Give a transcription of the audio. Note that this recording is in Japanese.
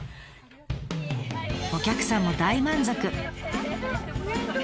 お客さんも大満足！